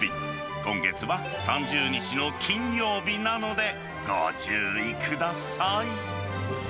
今月は３０日の金曜日なので、ご注意ください。